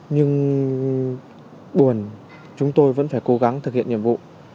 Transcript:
nhưng buồn chúng tôi vẫn phải cố gắng thực hiện nhiệm vụ